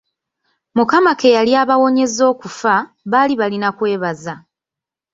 Mukama ke yali abawonyeza okufa, baali balina kwebaza.